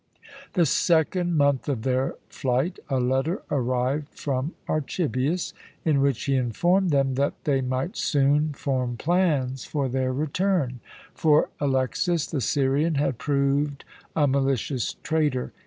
The second month of their flight a letter arrived from Archibius, in which he informed them that they might soon form plans for their return, for Alexas, the Syrian, had proved a malicious traitor.